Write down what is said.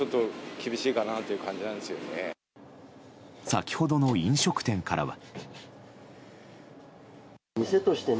先ほどの飲食店からは。